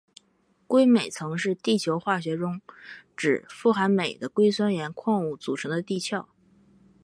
硅镁层是地球化学中指富含镁的硅酸盐矿物组成的地壳。